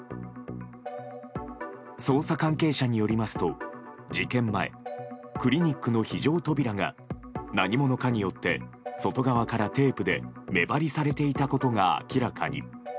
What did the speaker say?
捜査関係者によりますと事件前、クリニックの非常扉が何者かによって外側からテープで目張りされていたことが明らかに。